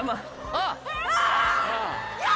あっ。